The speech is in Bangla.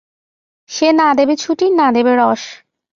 সে না দেবে ছুটি, না দেবে রস!